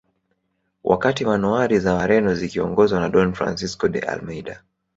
Wakati manowari za Wareno zikiongozwa na Don Francisco de Almeida